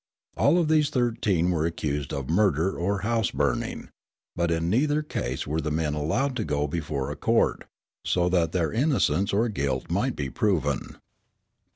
All of these thirteen were accused of murder or house burning; but in neither case were the men allowed to go before a court, so that their innocence or guilt might be proven.